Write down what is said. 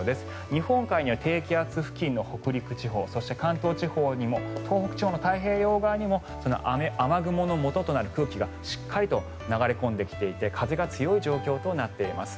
日本海には低気圧付近の北陸地方そして関東地方にも東北地方の太平洋側にも雨雲のもととなる空気がしっかりと流れ込んできていて風が強い状況となっています。